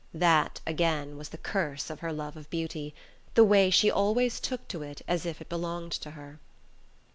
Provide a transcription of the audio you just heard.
That, again, was the curse of her love of beauty, the way she always took to it as if it belonged to her!